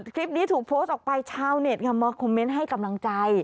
คลิปนี้ถูกโพสต์ออกไปชาวเน็ตค่ะมาคอมเมนต์ให้กำลังใจ